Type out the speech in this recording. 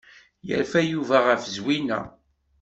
Yerfa Yuba ɣef Zwina?